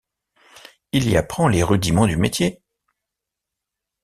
Il y apprend les rudiments du métier.